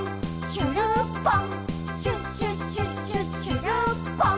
しゅるっぽん！」